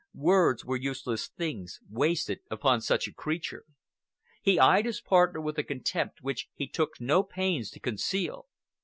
Words were useless things, wasted upon such a creature. He eyed his partner with a contempt which he took no pains to conceal.